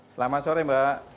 selamat sore mbak